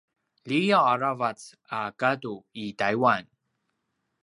liyaw a ravac a gadu i taiwan